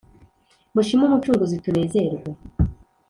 mushime umucunguzi tunezerwe